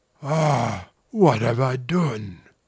"Ah! what have I done?"